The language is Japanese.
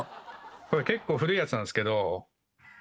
これ結構古いやつなんですけどこの。